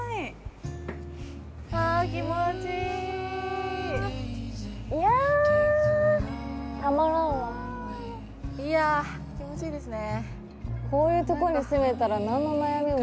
ああ気持ちいいいやたまらんわいやあ気持ちいいですね